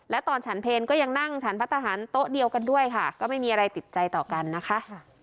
และตอนฉันเพลก็ยังนั่งฉันพัฒนาหารโต๊ะเดียวกันด้วยค่ะก็ไม่มีอะไรติดใจต่อกันนะคะ